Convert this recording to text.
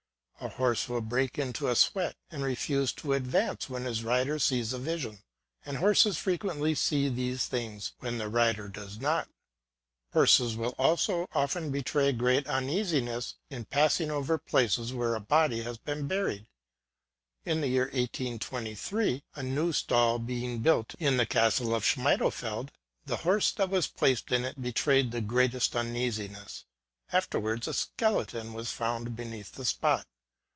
A horse will break into a sweat, and refuse to advance, when his rider sees a vision ; and horses frequently see these things when the rider does not. Horses will also often betray great uneasiness in passing over places where a body has been buried. In the year 1823, a new stall being built in the Castle of Schmiedelfeli 86 THE SEERESS OF PREVORST. the horse that was placed in it betrayed the greatest uneasiness ; afterwards a skeleton was found beneath the spot.